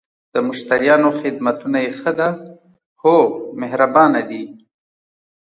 د مشتریانو خدمتونه یی ښه ده؟ هو، مهربانه دي